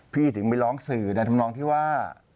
พี่ถึงไปร้องสื่อดังนั้นที่ว่า